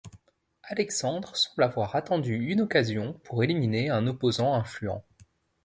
Alexandre semble avoir attendu une occasion pour éliminer un opposant influent.